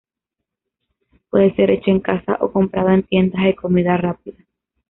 Puede ser hecho en casa o comprado en tiendas de comida rápida.